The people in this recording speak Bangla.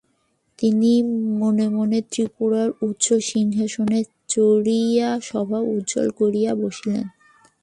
তিনি মনে মনে ত্রিপুরার উচ্চ সিংহাসনে চড়িয়া সভা উজ্জ্বল করিয়া বসিলেন।